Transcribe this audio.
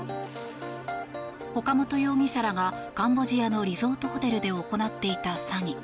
岡本容疑者らがカンボジアのリゾートホテルで行っていた詐欺。